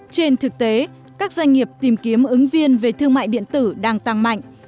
trên thực tế các doanh nghiệp tìm kiếm ứng viên về thương mại điện tử đang tăng mạnh